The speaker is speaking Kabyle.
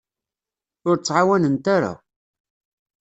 Ur ttɛawanent ara.